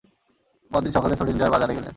পরদিন সকালে শ্রোডিঙ্গার বাজারে গেলেন।